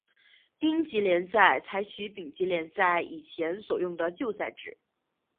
丁级联赛采取丙级联赛以前所用的旧赛制。